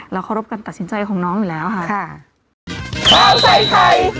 เคารพการตัดสินใจของน้องอยู่แล้วค่ะ